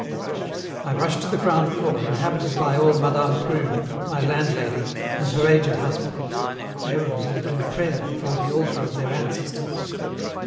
I rush to the ground floor, inhabited by old Madame Prune, my landlady, and her aged husband; they are absorbed in prayer before the altar of their ancestors.